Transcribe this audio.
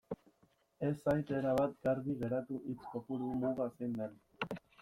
Ez zait erabat garbi geratu hitz kopuru muga zein den.